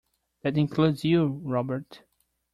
That includes you, Robert.